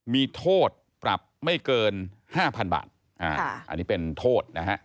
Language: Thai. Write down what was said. มีโทษปรับไม่เกิน๕๐๐๐บาทอันนี้เป็นโทษนะฮะ